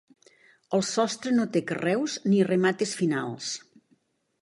El sostre no té carreus ni remates finals.